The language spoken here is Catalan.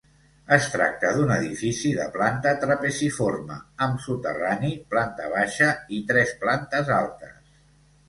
Es tracta d'un edifici de planta trapeziforme amb soterrani, planta baixa i tres plantes altes.